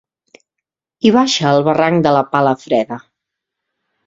Hi baixa el barranc de la Pala Freda.